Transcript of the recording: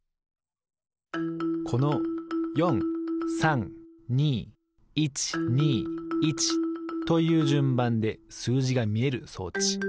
この４３２１２１というじゅんばんですうじがみえる装置。